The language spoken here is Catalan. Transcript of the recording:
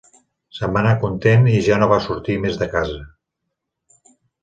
Se'n va anar content i ja no va sortir més de casa.